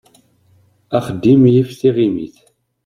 Axeddim yif tiɣimit.